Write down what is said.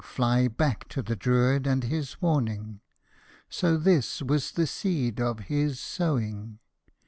Fly back to the Druid and his warning. So this was the seed of his sowing.